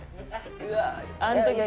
「あの時さ」。